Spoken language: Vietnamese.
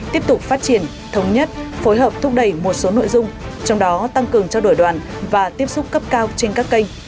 tiếp tục phát triển thống nhất phối hợp thúc đẩy một số nội dung trong đó tăng cường trao đổi đoàn và tiếp xúc cấp cao trên các kênh